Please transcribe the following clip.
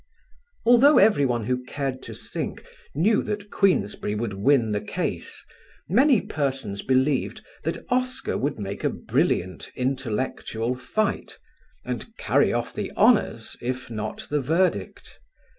Although everyone who cared to think knew that Queensberry would win the case, many persons believed that Oscar would make a brilliant intellectual fight, and carry off the honours, if not the verdict.